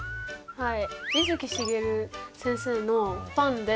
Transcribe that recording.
はい。